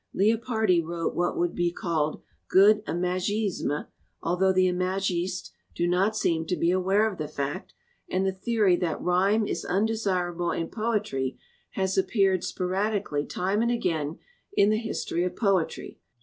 Leopardi wrote what would be called good imagisme, al though the imagistes do not seem to be aware of the fact, and the theory that rhyme is undesirable in poetry has appeared sporadically time and again in the history of poetry.